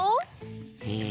え？